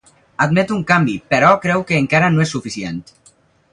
Admet un canvi, però creu que encara no és suficient.